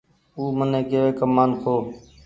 او مني ڪيوي ڪمآن کو